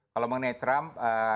kalau mengenai trump